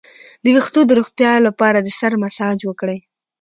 د ویښتو د روغتیا لپاره د سر مساج وکړئ